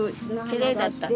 きれいだった。